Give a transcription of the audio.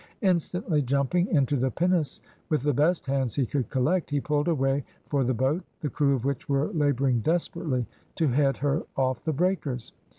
Instantly jumping into the pinnace with the best hands he could collect, he pulled away for the boat, the crew of which were labouring desperately to head her off the breakers.